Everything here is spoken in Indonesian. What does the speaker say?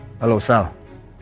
cinta gak mau salahkan peer